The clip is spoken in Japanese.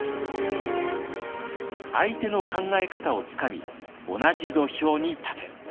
「相手の考え方をつかみ同じ土俵に立て」。